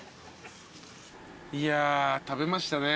いや食べましたね。